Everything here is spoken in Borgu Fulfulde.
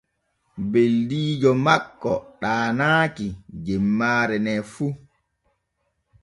Beldiijo makko ɗaanaaki jemmaare ne fu.